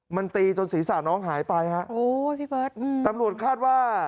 มันตีจนศรีษะน้องหายไปฮะตำรวจคาดว่า